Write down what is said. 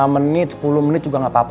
lima menit sepuluh menit juga nggak apa apa